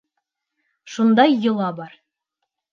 Шундай йола бар.